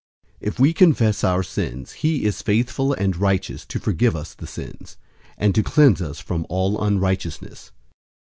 001:009 If we confess our sins, he is faithful and righteous to forgive us the sins, and to cleanse us from all unrighteousness.